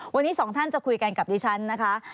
วันนี้สองท่านจะคุยกันกับดิฉันนะคะ